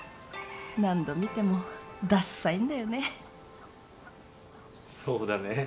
何度見てもダサいんだよね。